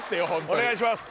お願いします